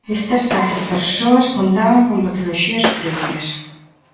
Estas catro persoas contaban con patoloxías previas.